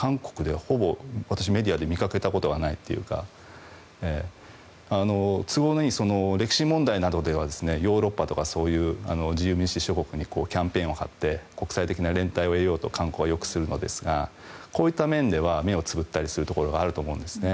韓国ではほぼメディアでは私、見かけたことがないというか都合のいい歴史問題などではヨーロッパとかそういう自由主義諸国にキャンペーンを張って国際的連帯を取ろうと韓国はするんですがこういった面では目をつぶったりするところがあると思うんですね。